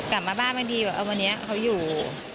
กลับมาบ้านมันดีกว่าวันนี้เขาอยู่